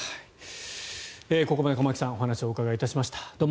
ここまで駒木さんにお話を伺いました。